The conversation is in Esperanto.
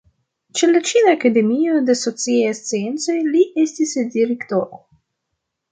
Ĉe la Ĉina Akademio de Sociaj Sciencoj li estis direktoro.